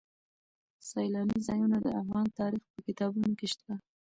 سیلاني ځایونه د افغان تاریخ په کتابونو کې شته.